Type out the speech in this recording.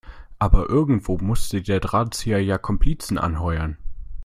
Aber irgendwie musste der Drahtzieher ja Komplizen anheuern.